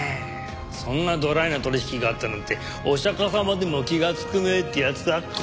そんなドライな取引があったなんてお釈様でも気がつくめえってやつか。